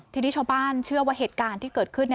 ทีนี้ชาวบ้านเชื่อว่าเหตุการณ์ที่เกิดขึ้น